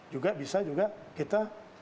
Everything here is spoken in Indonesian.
juga bisa juga kita